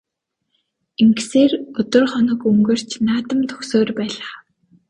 Ингэсээр өдөр хоног өнгөрч наадам дөхсөөр байлаа.